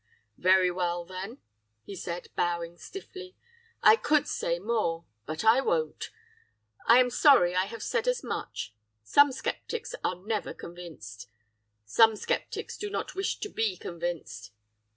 'Very well then!' he said, bowing stiffly, 'I could say more but I won't! I am sorry I have said as much. Some sceptics are never convinced! Some sceptics do not wish to be convinced!